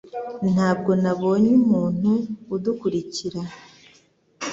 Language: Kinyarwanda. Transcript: Ntabwo nabonye umuntu udukurikira